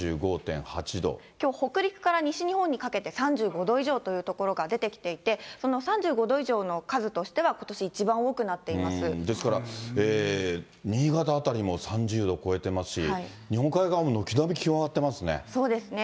きょう、北陸から西日本にかけて、３５度以上という所が出てきていて、その３５度以上の数としては、ですから、新潟辺りも３０度超えてますし、日本海側も軒並み気温上がってまそうですね、